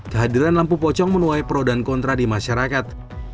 kehadiran lampu pocong menuai pro dan kontra di masyarakat